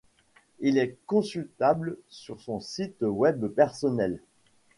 Il est consultable sur son site web personnel.